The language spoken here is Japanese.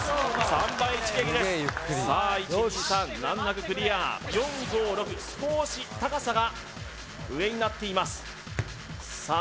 ３番一撃ですさあ１・２・３難なくクリア４・５・６少し高さが上になっていますさあ